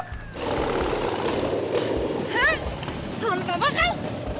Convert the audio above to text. temen papa kan